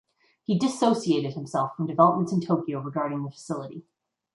He dissociated himself from developments in Tokyo regarding the facility.